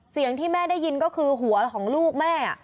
เสียงที่แม่ได้ยินก็คือหัวของลูกแม่